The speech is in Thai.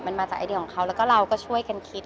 มันมาจากไอเดียของเขาแล้วก็เราก็ช่วยกันคิด